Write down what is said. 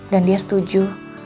dan dia setuju